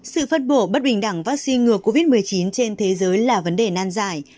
sự phân bổ bất bình đẳng vaccine ngừa covid một mươi chín trên thế giới là vấn đề nan giải